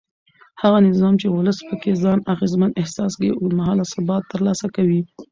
هغه نظام چې ولس پکې ځان اغېزمن احساس کړي اوږد مهاله ثبات ترلاسه کوي